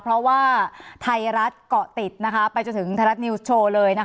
เพราะว่าไทยรัฐเกาะติดไปจนถึงไทยรัฐนิวส์โชว์เลย